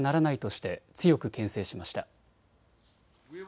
して強くけん制しました。